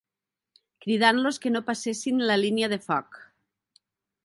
Cridant-los que no passessin la línia de foc.